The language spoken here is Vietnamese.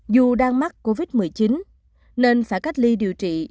dù đang mắc covid một mươi chín nên phải cách ly điều trị